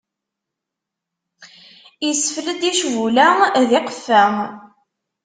Isfel-d icbula d iqeffa.